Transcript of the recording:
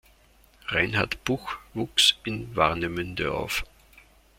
Reinhard Buch wuchs in Warnemünde auf.